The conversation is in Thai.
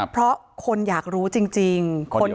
เพราะคนอยากรู้จริง